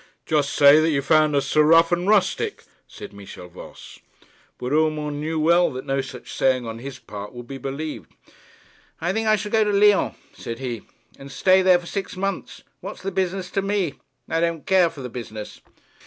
'Just say that you found us so rough and rustic,' said Michel Voss. But Urmand knew well that no such saying on his part would be believed. 'I think I shall go to Lyons,' said he, 'and stay there for six months. What's the business to me? I don't care for the business.'